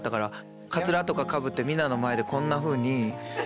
カツラとかかぶってみんなの前でこんなふうに。